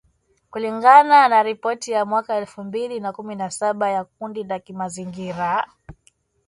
kulingana na ripoti ya mwaka elfu mbili na kumi na saba ya kundi la kimazingira